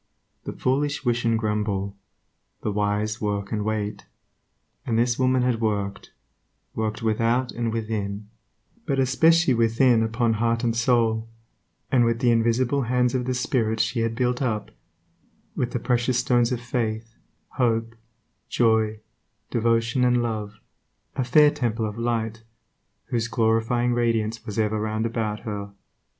The foolish wish and grumble; the wise, work and wait. And this woman had worked; worked without and within, but especially within upon heart and soul; and with the invisible hands of the spirit she had built up, with the precious stones of faith, hope, joy, devotion, and love, a fair temple of light, whose glorifying radiance was ever round about her.